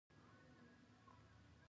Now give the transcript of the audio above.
پسه د صبر ښوونه کوي.